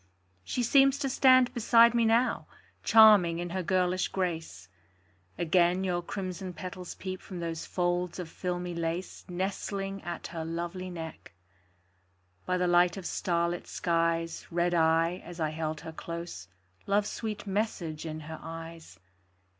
She seems to stand beside me now, Charming in her girlish grace; Again your crimson petals peep From those folds of filmy lace Nestling at her lovely neck. By the light of starlit skies Read I, as I held her close, Love's sweet message in her eyes.